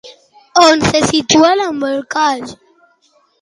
On se situa l'embolcall?